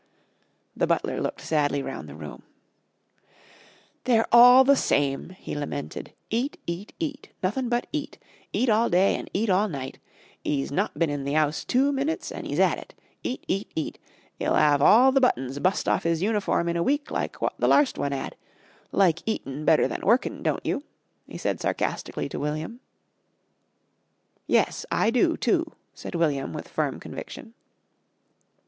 The butler looked sadly round the room. "They're all the same," he lamented. "Eat, eat, eat. Nothin' but eat. Eat all day an' eat all night. 'E's not bin in the 'ouse two minutes an' 'e's at it. Eat! eat! eat! 'E'll 'ave all the buttons bust off his uniform in a week like wot the larst one 'ad. Like eatin' better than workin', don't you?" he said sarcastically to William. "Yes, I do, too," said William with firm conviction.